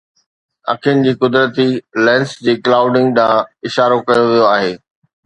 اکين جي قدرتي لينس جي ڪلائوڊنگ ڏانهن اشارو ڪيو ويو آهي